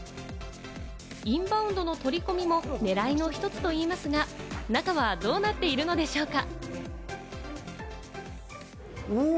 インバウンドの取り込みも狙いの一つと言いますが、中はどうなっているのでしょうか？